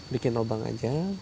bikin lubang aja